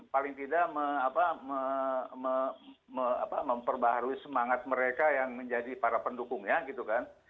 paling tidak memperbaharui semangat mereka yang menjadi para pendukungnya gitu kan